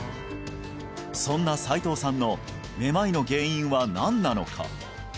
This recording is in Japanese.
そんな斉藤さんのめまいの原因は何なのか？